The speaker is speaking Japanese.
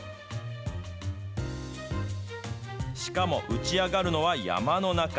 しかも、打ち上がるのは山の中。